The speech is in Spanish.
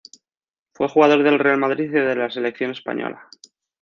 Fue jugador del Real Madrid y de la selección española.